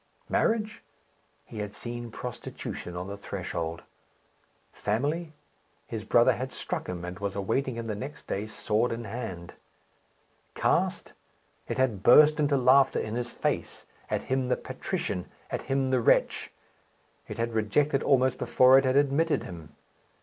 Marriage? He had seen prostitution on the threshold. Family? His brother had struck him, and was awaiting him the next day, sword in hand. Caste? It had burst into laughter in his face, at him the patrician, at him the wretch. It had rejected, almost before it had admitted him.